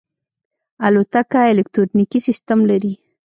الوتکه الکترونیکي سیستم لري.